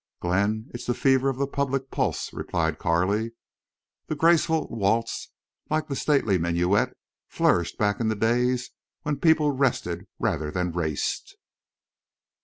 "Glenn, it's the fever of the public pulse," replied Carley. "The graceful waltz, like the stately minuet, flourished back in the days when people rested rather than raced."